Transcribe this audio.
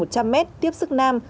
bốn x một trăm linh m tiếp sức nam